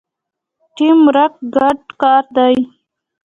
ټیم ورک ګډ کار دی